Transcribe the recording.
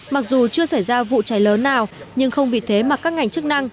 mặc dù chưa xảy ra vụ cháy lớn nào nhưng không vì thế mà các ngành chức năng